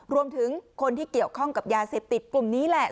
รวมถึงคนที่เกี่ยวข้องกับยาเสพติดกลุ่มนี้แหละ